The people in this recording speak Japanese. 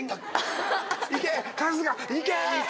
春日いけ！